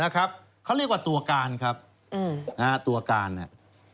เขาเรียกว่าตัวการครับตัวการเนี่ย